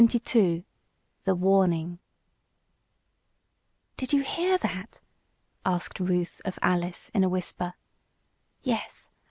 CHAPTER XXII THE WARNING "Did you hear that?" asked Ruth of Alice, in a whisper. "Yes!